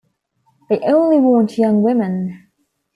They only want young women.